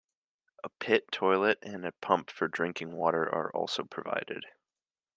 A pit toilet and a pump for drinking water are also provided.